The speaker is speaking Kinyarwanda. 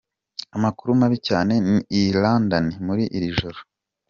"Amakuru mabi cyane i London muri iri joro.